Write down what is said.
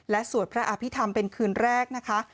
และสวดพระอภิษฐรรมเป็นคืนแรกนะคะ